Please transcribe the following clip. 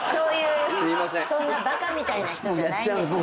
そんなバカみたいな人じゃないんです。